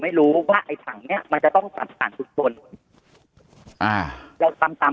ไม่รู้ว่าไอ้ถังเนี้ยมันจะต้องตัดผ่านชุมชนอ่าเราทำตาม